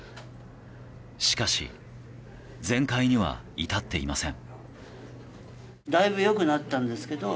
しかし全快には至っていません。